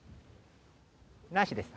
なしです。